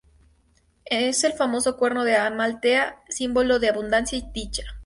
Es el famoso cuerno de Amaltea, símbolo de abundancia y dicha.